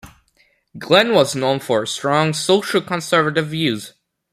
Glenn was known for her strong social conservative views.